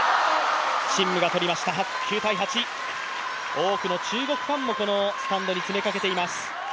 多くの中国ファンもスタンドに詰めかけています。